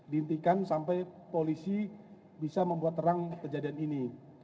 dihentikan sampai polisi bisa membuat terang kejadian ini